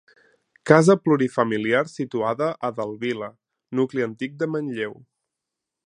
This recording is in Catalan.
Casa plurifamiliar situada a Dalt Vila, nucli antic de Manlleu.